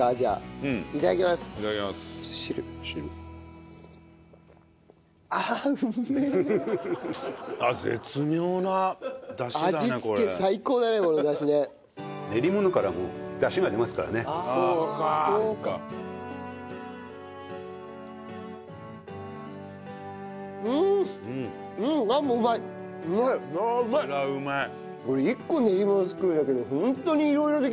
ああうまい！